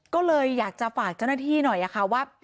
ก็เลยอยากจะฝากเจ้าหน้าที่หน่อยค่ะว่า